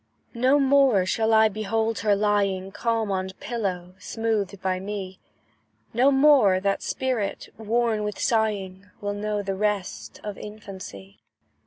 No more shall I behold her lying Calm on a pillow, smoothed by me; No more that spirit, worn with sighing, Will know the rest of infancy.